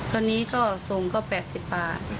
ตอนนี้ก็ส่งก็๘๐บาท